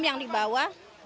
yang di bawah